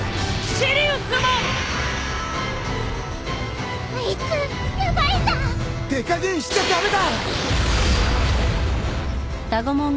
手加減しちゃ駄目だ！